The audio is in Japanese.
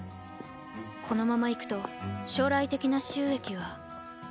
このままいくと将来的な収益は。